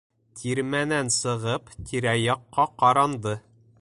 Тирмәнән сығып, тирә яҡҡа ҡаранды.